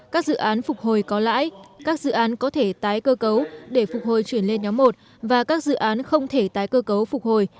các dự án phục hồi có lãi các dự án có thể tái cơ cấu để phục hồi chuyển lên nhóm một và các dự án không thể tái cơ cấu phục hồi